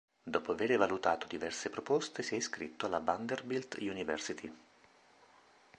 Dopo aver valutato diverse proposte, si è iscritto alla Vanderbilt University.